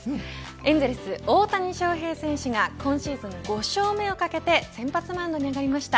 エンゼルス大谷翔平選手が今シーズン５勝目を懸けて先発マウンドに上がりました。